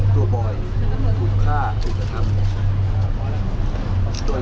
อย่ารู้ไม่รู้จะพูดอะไรหรอ